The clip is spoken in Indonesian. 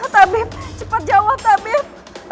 tabib cepat jawab tabib